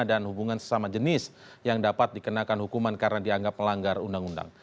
dan hubungan sesama jenis yang dapat dikenakan hukuman karena dianggap melanggar undang undang